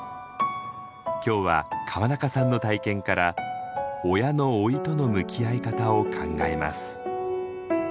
今日は川中さんの体験から親の老いとの向き合い方を考えます。